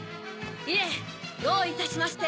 いえどういたしまして。